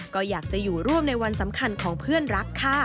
ก็อยากจะอยู่ร่วมในวันสำคัญของเพื่อนรักค่ะ